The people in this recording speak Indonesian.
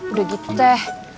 udah gitu teh